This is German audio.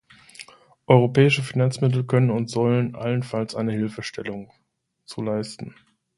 Europäische Finanzmittel können und sollen allenfalls eine Hilfestellung zu leisten.